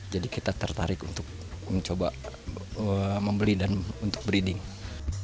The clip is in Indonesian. jadi kita tertarik untuk mencoba membeli dan untuk membeli yang lainnya